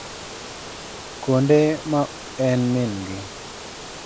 Konde ma en min gi.